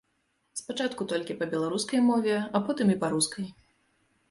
Спачатку толькі па беларускай мове, а потым і па рускай.